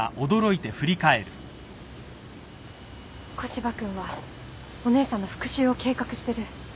古芝君はお姉さんの復讐を計画してる。